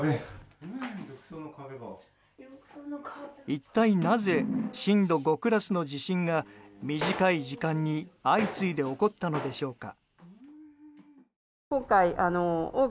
一体なぜ震度５クラスの地震が短い時間に相次いで起こったのでしょうか。